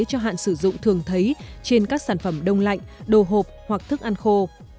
cho hạn sử dụng thường thấy trên các sản phẩm đông lạnh đồ hộp hoặc thức ăn khô